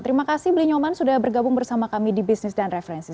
terima kasih beli nyoman sudah bergabung bersama kami di bisnis dan referensi